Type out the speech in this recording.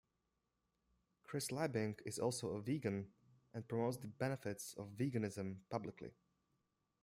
Chris Liebing is also a vegan and promotes the benefits of veganism publicly.